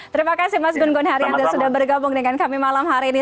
terima kasih mas gun gun haryanto sudah bergabung dengan kami malam hari ini